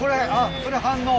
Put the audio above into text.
それ反応？